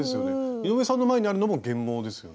井上さんの前にあるのも原毛ですよね？